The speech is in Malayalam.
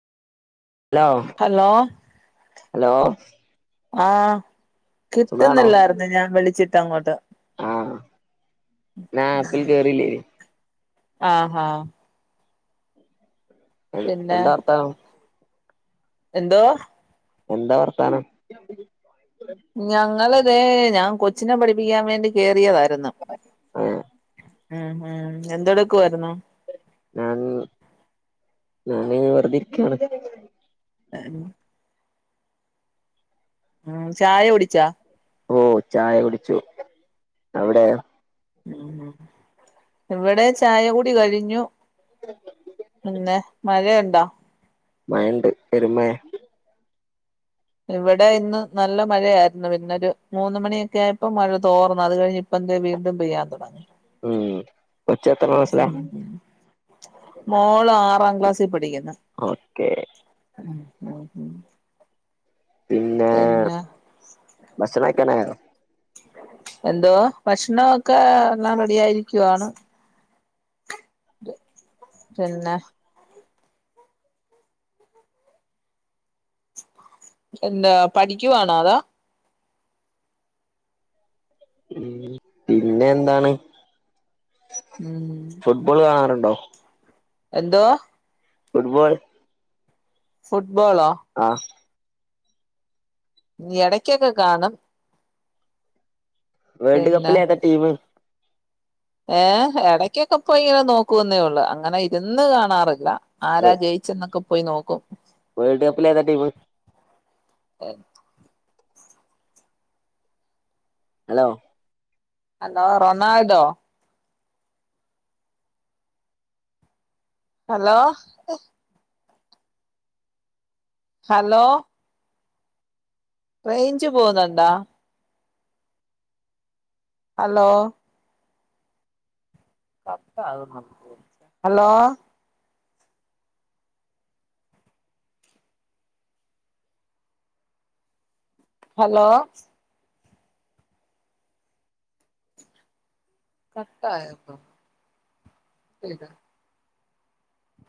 ഹലോ ഹലോ ഹലോ ആഹ്. സുഖാണോ കിട്ടുന്നില്ലായിരുന്നു ഞാൻ വിളിച്ചിട്ട് അങ്ങോട്ട്. ആഹ് ഞാൻ ആപ്പിൽ കേറിയില്ലെടി ആഹ് ഹാ പിന്നെ എന്താ വാർത്താനം. എന്തോ? എന്താ വർത്താനം? ഞങ്ങള് ദെ ഞാൻ കൊച്ചിനെ പഠിപ്പിക്കാൻ വേണ്ടി കേയറിയതായിരുന്നു. ആഹ് ഉം ഉം എന്തെടുക്കായിരുന്നു. ഞാന് ഞാന് വെറുതെ ഇരിക്കയാണ്. [inaudible] ഉം ചായ കുടിച്ചാ? ഓ ചായ കുടിച്ചു അവിടെയോ? ഉം ഉം ഇവിടെ ചായ കുടി കഴിഞ്ഞു. പിന്നെ മഴ ഉണ്ടോ? മയണ്ട് പെരുംമയ ഇവിടെ ഇന്ന് നല്ല മഴയായിരുന്നു പിന്നെ ഒരു മൂന്ന് മണിയൊക്കെ ആയപ്പോ മഴ തോർന്നു അത് കഴിഞ്ഞി ഇപ്പം ദെ വീണ്ടും പെയ്യാൻ തൊടങ്ങി. ഉം കൊച്ച് എത്ര? മോള് ആറാം ക്ലാസ്സിൽ പഠിക്ക്ന്ന്. ഓക്കേ. ഉം ഉം ഉം. പിന്നെ. ഭക്ഷണം കഴിക്കാനായോ എന്തോ ഭക്ഷണൊക്കെ എല്ലാം റെഡി ആയിരിക്കുവാണ്. പിന്നെ എന്താ പഠിക്കുവവാണോ അതോ പിന്നെ എന്താണ് ഉം ഫുട്ബോൾ കാണാറുണ്ടോ എന്തോ ഫുട്ബോള് ഫുട്ബോളോ ആഹ് എടയ്ക്കൊക്കെ കാണും വേൾഡ് പിന്നെ കപ്പില് ഏതാ ടീം ഏഹ് എടക്കൊക്കെ പോയി നോക്കുവെന്നേ ഉള്ളൂ അങ്ങനെ ഇരുന്ന് കാണാറില്ല ആരാ ജയിച്ചെന്നൊക്കെ പോയി നോക്കും വേൾഡ് കപ്പില്ലേതാ ടീമ് ഏഹ് hello hello Ronaldo hello hello range പോവുന്നുണ്ടോ ഹലോ കട്ടാവുന്നുണ്ട് [unintelligible] ഹലോ ഹലോ കട്ടായോപ്പം [unintelligible]